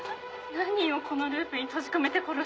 「何人をこのループに閉じ込めて殺してきたの？」